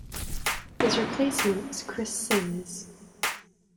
His replacement is Chris Sims.